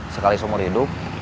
sekali seumur hidup